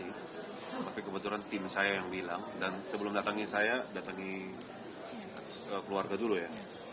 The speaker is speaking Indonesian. tapi kebetulan tim saya yang bilang dan sebelum datangin saya datangi keluarga dulu ya